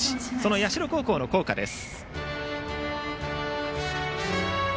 社高校の校歌です。